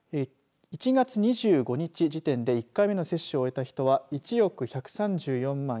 １月２５日時点で１回目の接種を終えた人は１億１３４万４２２７